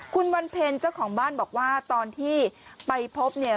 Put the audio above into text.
คุณวันเพ็ญเจ้าของบ้านบอกว่าตอนที่ไปพบเนี่ย